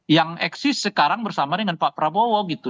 yang eksis sekarang bersama dengan pak prabowo gitu